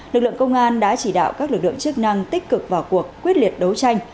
lực lượng công an đã chỉ đạo các lực lượng chức năng tích cực vào cuộc quyết liệt đấu tranh